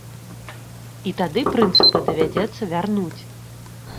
І тады прынцыпы давядзецца вярнуць.